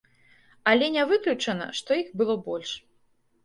Але не выключана, што іх было больш.